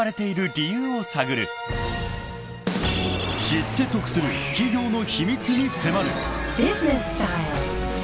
［知って得する企業の秘密に迫る］